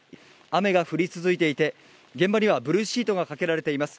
雨が降り続いていて、現場にはブルーシートがかけられています。